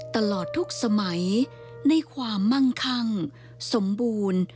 ตลอดทุกสมัยในความมั่งคั่งสมบูรณ์